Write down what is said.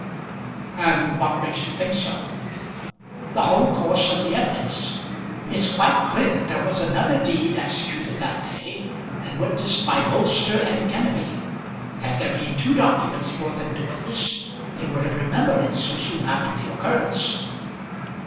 "And what makes you think so?" "The whole course of the evidence. It's quite clear there was another deed executed that day, and witnessed by Bolster and Kenneby. Had there been two documents for them to witness, they would have remembered it so soon after the occurrence."